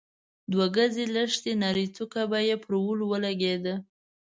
د دوه ګزۍ لښتې نرۍ څوکه به يې پر وليو ولګېده.